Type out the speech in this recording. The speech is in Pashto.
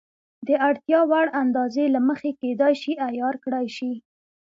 د اړتیا وړ اندازې له مخې کېدای شي عیار کړای شي.